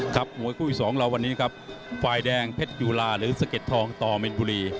มวยคู่อีกสองเราวันนี้ครับฝ่ายแดงเพชรยูลาหรือสะเด็ดทองต่อมินบุรี